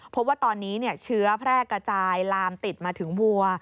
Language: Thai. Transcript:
พบว่าตอนนี้เชื้อแพร่กระจายลามติดมาถึงวัว